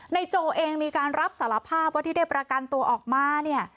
โจเองมีการรับสารภาพว่าที่ได้ประกันตัวออกมาเนี่ย